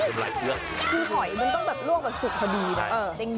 อยากกินหอย